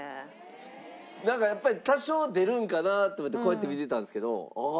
なんかやっぱり多少出るんかなと思ってこうやって見てたんですけどああ